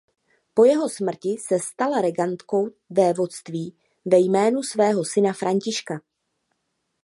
Po jeho smrti se stala regentkou vévodství ve jménu svého syna Františka.